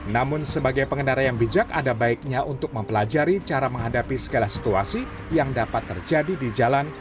namun sebagai pengendara yang bijak ada baiknya untuk mempelajari cara menghadapi segala situasi yang dapat terjadi di jalan